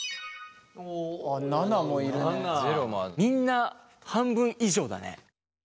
みんな半分以上だね。